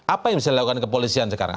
apa yang bisa dilakukan kepolisian sekarang